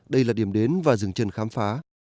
đây là điểm đến và dừng chân khám phá